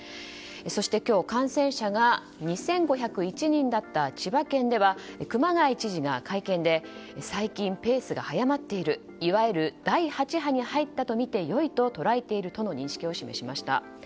そして、今日感染者が２５０１人だった千葉県では、熊谷知事が会見で最近、ペースが速まっている。いわゆる第８波に入ったとみてよいと捉えていると認識を示しました。